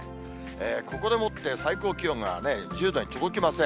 ここでもって最高気温が１０度に届きません。